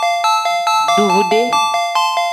Duvude.